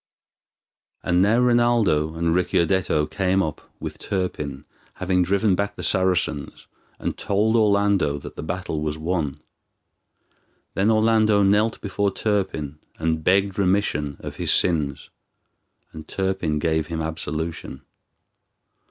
And now Rinaldo and Ricciardetto came up, with Turpin, having driven back the Saracens, and told Orlando that the battle was won. Then Orlando knelt before Turpin and begged remission of his sins, and Turpin gave him absolution.